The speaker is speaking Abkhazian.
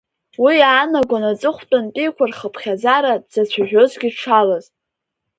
Уи иаанагон аҵыхәтәантәиқәа рхыԥхьаӡара дзацәажәозгьы дшалаз.